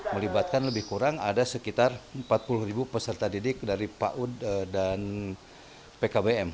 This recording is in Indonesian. melibatkan lebih kurang ada sekitar empat puluh peserta didik dari pak ud dan pkbm